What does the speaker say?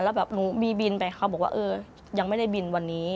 แล้วแบบหนูมีบินไปเขาบอกว่าเออยังไม่ได้บินวันนี้